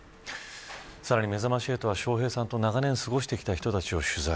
さらに、めざまし８は笑瓶さんと長年過ごしてきた方を取材。